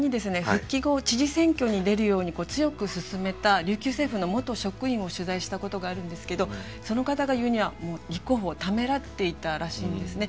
復帰後知事選挙に出るように強く勧めた琉球政府の元職員を取材したことがあるんですけどその方が言うには立候補をためらっていたらしいんですね。